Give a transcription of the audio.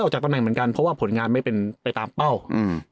จากตำแหน่งเหมือนกันเพราะว่าผลงานไม่เป็นไปตามเป้าอืม